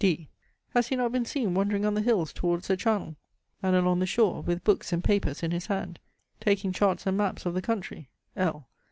D. Has he not been seen wandering on the hills towards the Channel, and along the shore, with books and papers in his hand, taking charts and maps of the country? L.